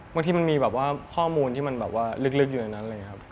บางทีมันมีข้อมูลที่มันลึกอยู่ในนั้น